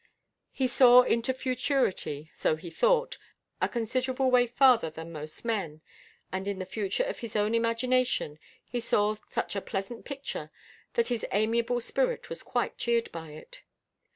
He saw into futurity so he thought a considerable way farther than most men, and in the future of his own imagination he saw such a pleasant picture that his amiable spirit was quite cheered by it.